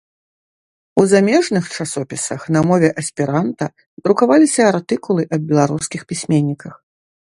У замежных часопісах на мове эсперанта друкаваліся артыкулы аб беларускіх пісьменніках